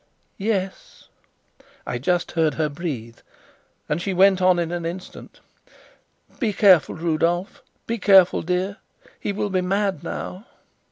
"Yes," I just heard her breathe, and she went on in an instant: "Be careful, Rudolf; be careful, dear. He will be mad now."